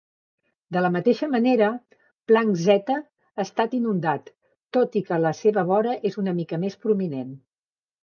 De la mateixa manera, Planck Z ha estat inundat, tot i que la seva vora és una mica més prominent.